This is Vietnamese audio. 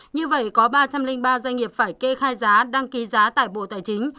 như vậy có ba trăm linh ba doanh nghiệp phải kê khai giá đăng ký giá tại bộ tài chính